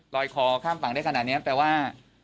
คอข้ามฝั่งได้ขนาดนี้แปลว่า